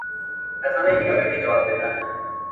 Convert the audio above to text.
کمپيوټر ناروغي ختموي.